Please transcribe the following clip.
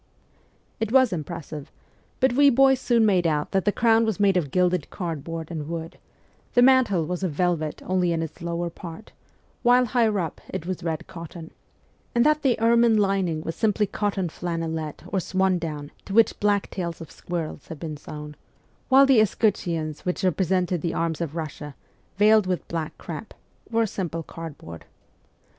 It was impressive, but we boys soon made out that the crown was made of gilded cardboard and wood, the mantle was of velvet only in its lower part, while higher up it was red cotton, and that the ermine lining was simply cotton flannelette or swandown to which black tails of squirrels had been sewn, while the escutcheons which represented the arms of Russia, veiled with black crepe, were simple cardboard.